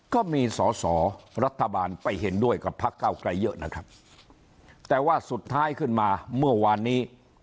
ก็มีสอสอรัฐบาลไปเห็นด้วยกับพักเก้าไกลเยอะนะครับแต่ว่าสุดท้ายขึ้นมาเมื่อวานนี้